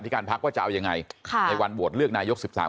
ที่การพักว่าจะเอายังไงในวันบวดเลือกนายยกสิบสาม